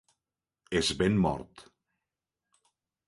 És ben mort